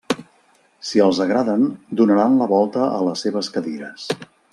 Si els agraden, donaran la volta a les seves cadires.